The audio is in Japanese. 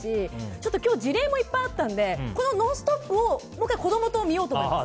ちょっと今日事例もいっぱいあったのでこの「ノンストップ！」をもう１回子供と見ようと思います。